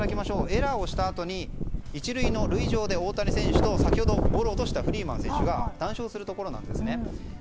エラーをしたあとに１塁の塁上で大谷選手と先ほどボールを落としたフリーマン選手が談笑するところなんですね。